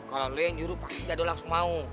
kalau lo yang nyuruh pasti dado langsung mau